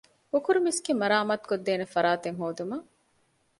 ހުކުރު މިސްކިތް މަރާމާތުކޮށްދޭނެ ފަރާތެއް ހޯދުމަށް